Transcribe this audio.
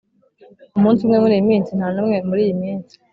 umunsi umwe muriyi minsi ntanumwe muriyi minsi